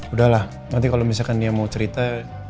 udahlah nanti kalau misalkan dia mau cerita